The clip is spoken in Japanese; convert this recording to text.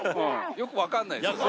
よくわかんないですよね